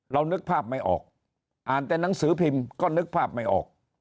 นึกภาพไม่ออกอ่านแต่หนังสือพิมพ์ก็นึกภาพไม่ออก